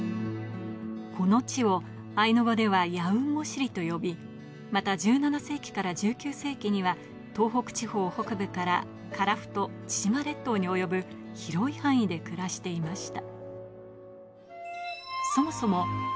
この地をと呼びまた１７世紀から１９世紀には東北地方北部から樺太千島列島に及ぶ広い範囲で暮らしていました